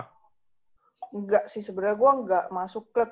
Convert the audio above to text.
enggak sih sebenarnya gue gak masuk klub